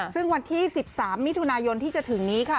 ซึ่งวันที่๑๓มิถุนายนที่จะถึงนี้ค่ะ